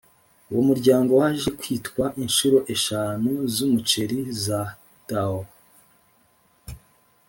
uwo muryango waje kwitwa incuro eshanu z’umuceri za tao